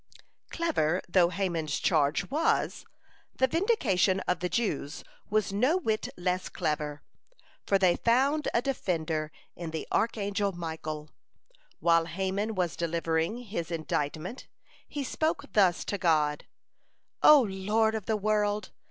Clever though Haman's charge was, the vindication of the Jews was no whit less clever. For they found a defender in the archangel Michael. While Haman was delivering his indictment, he spoke thus to God: "O Lord of the world!